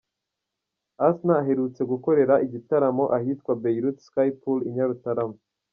Asnah aherutse gukorera igitaramo ahitwa Beirut Sky Pool i Nyarutarama.